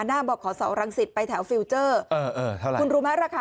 น่าบอกขอเสารังสิตไปแถวฟิลเจอร์